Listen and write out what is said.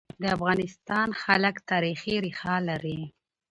د افغانستان خلک تاریخي ريښه لري.